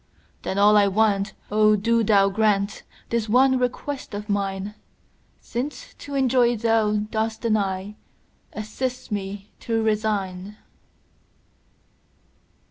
Then all I want—O do Thou grantThis one request of mine!—Since to enjoy Thou dost deny, Assist me to resign.